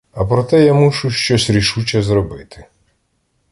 А проте я мушу щось рішуче зробити.